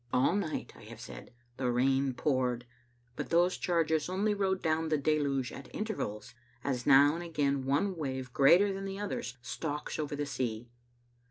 All night, I have said, the rain poured, but those charges only rode down the deluge at intervals, as now and again one wave greater than the others stalks over the sea.